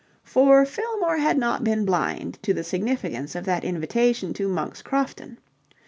For Fillmore had not been blind to the significance of that invitation to Monk's Crofton.